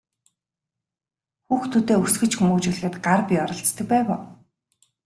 Хүүхдүүдээ өсгөж хүмүүжүүлэхэд гар бие оролцдог байв уу?